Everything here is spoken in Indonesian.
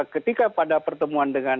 ketika pada pertemuan dengan